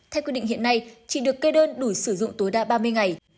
theo quy định hiện nay chỉ được cây đơn đủ sử dụng tối đa ba mươi ngày